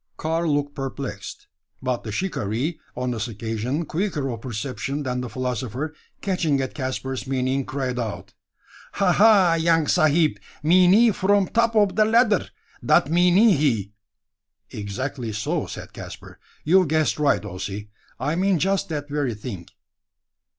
Karl looked perplexed; but the shikaree, on this occasion quicker of perception than the philosopher, catching at Caspar's meaning, cried out: "Ha, ha! young sahib meanee from top ob da ladder! Dat meanee he." "Exactly so," said Caspar; "you've guessed right, Ossy. I mean just that very thing."